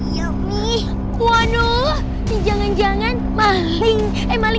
ya tentu aja ya mami tim ini